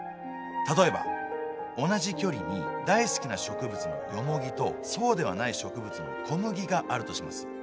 例えば同じ距離に大好きな植物のヨモギとそうではない植物のコムギがあるとします。